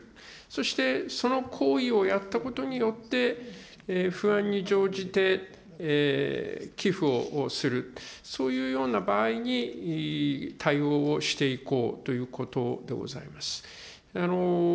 そして、その行為をやったことによって、不安に乗じて寄付をする、そういうような場合に対応をしていこうということでございます。